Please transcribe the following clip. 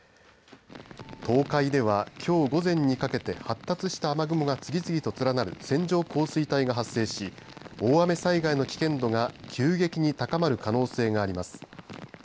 東海では、きょう午前にかけて発達した雨雲が次々と連なる線状降水帯が発生し大雨災害の危険度が急激に高まる可能性があります。